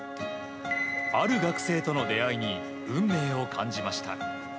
ある学生との出会いに運命を感じました。